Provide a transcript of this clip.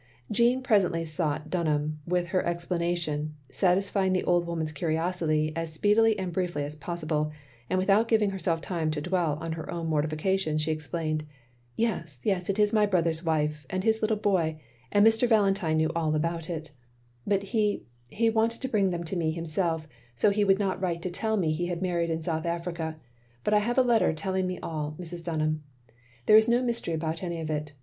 Jeanne presently sought Dunham with her explanation, satisfjring the old woman's curi osity as speedily and briefly as possible, and without giving herself time to dwell on her own mortification as she explained: "Yes, yes, it is my brother's wife — ^and his little boy, and Mr. Valentine knew all about it, aa .. 338 THE LONELY LADY but he — he wanted to bring them to me himself, so he would not write to tell me he had married in South Africa; but I have a letter telling me all, Mrs. Dunham. There is no mystery about any of it.